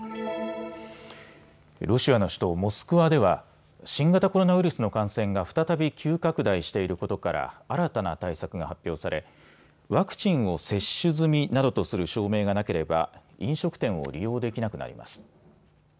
ロシアの首都モスクワでは新型コロナウイルスの感染が再び急拡大していることから新たな対策が発表され、ワクチンを接種済みなどとする証明がなければ飲食店を利用できなくなります。